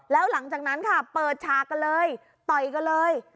แล้วหลังจากนั้นค่ะเปิดฉากกันเลยต่อยกันเลย